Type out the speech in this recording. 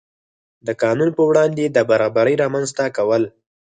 د قانون په وړاندې د برابرۍ رامنځته کول.